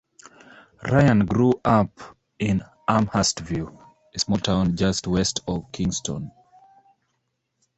Ryan grew up in Amherstview, a small town just west of Kingston.